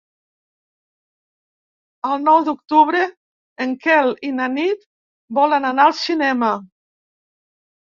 El nou d'octubre en Quel i na Nit volen anar al cinema.